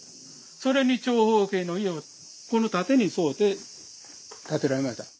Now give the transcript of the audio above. それに長方形の家をこの縦に沿うて建てられました。